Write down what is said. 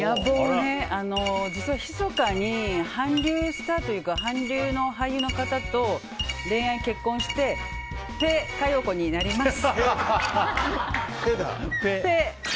実はひそかに韓流スターというか韓流の俳優の方と恋愛・結婚してペ・カヨコになります。